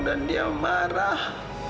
dan dia marah